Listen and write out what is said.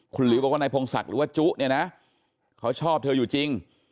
คุณหลิวบอกว่านายพงศักดิ์หรือว่าจุเนี่ยนะเขาชอบเธออยู่จริง